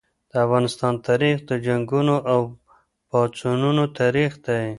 د افغانستان تاریخ د جنګونو او پاڅونونو تاریخ دی.